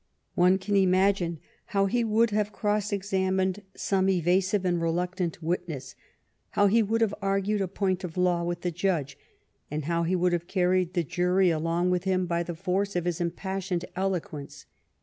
One can imagine how he would GLADSTONE IN OFFICE 51 have cross examined some evasive and reluctant witness, how he would have argued a point of law with the judge, and how he would have carried the jury along with him by the force of his impassioned eloquence.